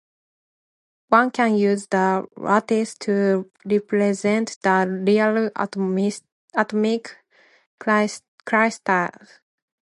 One can use the lattice to represent the real atomic crystal.